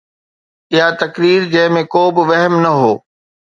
اها تقرير جنهن ۾ ڪو به وهم نه هو.